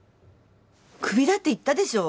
クビだって言ったでしょ。